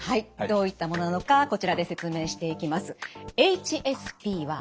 どういったものなのかこちらで説明していきます。